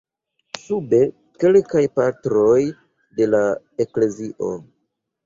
Sube, kelkaj Patroj de la Eklezio.